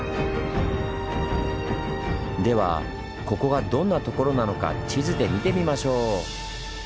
ではここがどんな所なのか地図で見てみましょう！